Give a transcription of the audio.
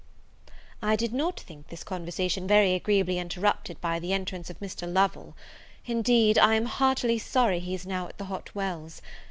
I did not think this conversation very agreeably interrupted by the entrance of Mr. Lovel. Indeed I am heartily sorry he is now at the Hot Wells.